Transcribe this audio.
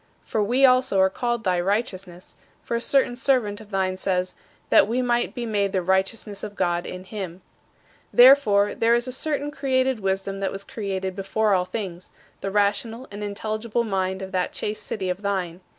For we also are called thy righteousness, for a certain servant of thine says, "That we might be made the righteousness of God in him." Therefore, there is a certain created wisdom that was created before all things: the rational and intelligible mind of that chaste city of thine.